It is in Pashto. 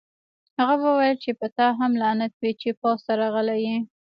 هغه وویل چې په تا هم لعنت وي چې پوځ ته راغلی یې